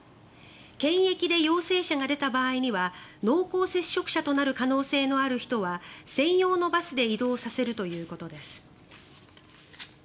検疫で陽性者が出た場合には濃厚接触者となる可能性のある人は専用のバスで移動させるということです。